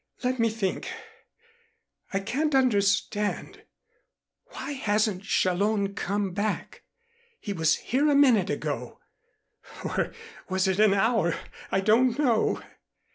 Let me think. I can't understand. Why hasn't Challón come back? He was here a minute ago or was it an hour? I don't know."